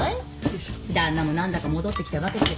旦那も何だか戻ってきたわけだけどさ